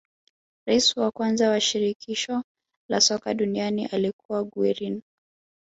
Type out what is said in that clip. Rais wa kwanza wa shirikisho la soka duniani alikuwa guerin